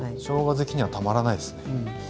しょうが好きにはたまらないですね。